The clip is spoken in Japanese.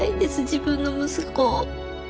自分の息子を。